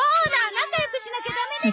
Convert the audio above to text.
仲良くしなきゃダメでしょ。